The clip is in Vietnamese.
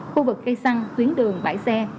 khu vực cây xăng tuyến đường bãi xe